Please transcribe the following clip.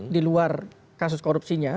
di luar kasus korupsinya